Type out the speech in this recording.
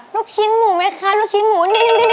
ลูกชิ้นหมูไหมคะลูกชิ้นหมูนิด